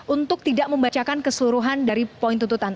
untuk tidak membacakan keseluruhan dari poin tuntutan